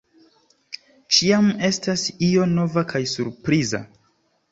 Ĉiam estas io nova kaj surpriza.